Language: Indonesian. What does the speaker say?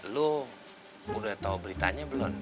lo udah tau beritanya belum